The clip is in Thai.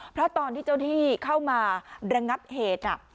เพราะตอนที่เจ้าหน้าที่เข้ามาระงับเหตุ